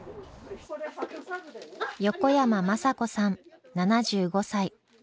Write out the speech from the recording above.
横山眞佐子さん７５歳。